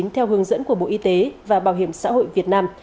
theo hướng dẫn của bộ y tế và bảo hiểm xã hội việt nam